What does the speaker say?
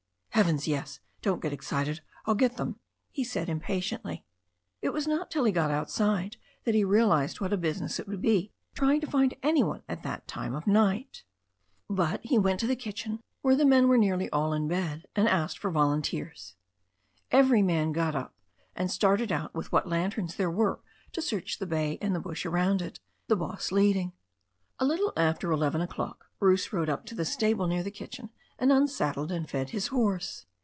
"Heavens, yes ! Don't get excited. I'll get them," he said impatiently. It was not till he got outside that he realized what a busi ness it would be trying to find any one at that time of night. But he went to the kitchen, where the men were nearly all in bed, and asked for volunteers. Every man got up, and started out with what lanterns there were to search the bay and the bush around it, the boss leading. A little after eleven o'clock Bruce rode up to the stable near the kitchen, and unsaddled and fed his horse.